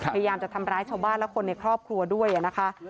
พยายามจะทำร้ายชาวบ้านและคนในครอบครัวด้วยนะคะ